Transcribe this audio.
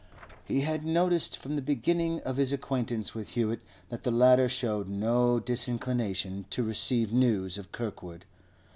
He had noticed from the beginning of his acquaintance with Hewett that the latter showed no disinclination to receive news of Kirkwood.